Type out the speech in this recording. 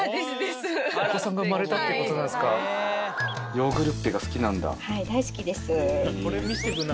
ヨーグルッペが好きなんだ。